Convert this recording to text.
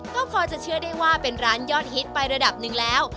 ก็พอจะเชื่อได้ว่าเป็นร้านยอดฮิตไประดับหนึ่งแล้ว